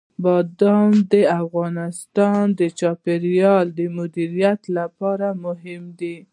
بادام د افغانستان د چاپیریال د مدیریت لپاره مهم دي.